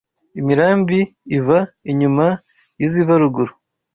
Imirambi iva inyuma y’iziva ruguru